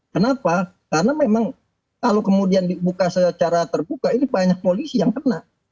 kenapa karena memang kalau kemudian dibuka secara terbuka ini banyak polisi yang kena